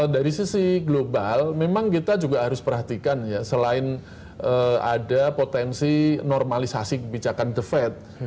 dari sisi global memang kita juga harus perhatikan ya selain ada potensi normalisasi kebijakan the fed